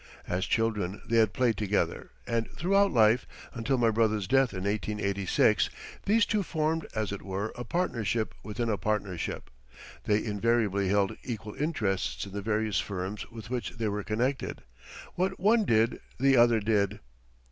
As children they had played together, and throughout life, until my brother's death in 1886, these two formed, as it were, a partnership within a partnership. They invariably held equal interests in the various firms with which they were connected. What one did the other did.